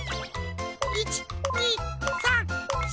１２３４。